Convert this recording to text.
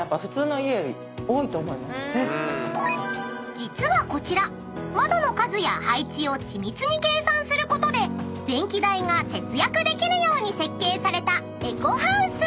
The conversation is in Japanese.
［実はこちら窓の数や配置を緻密に計算することで電気代が節約できるように設計されたエコハウス］